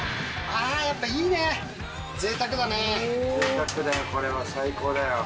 あー、やっぱいいね、ぜいたぜいたくだよこれは、最高だよ。